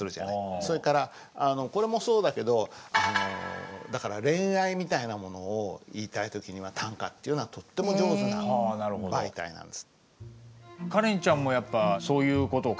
それからこれもそうだけどあのだから恋愛みたいなものを言いたい時には短歌っていうのはとっても上手な媒体なんです。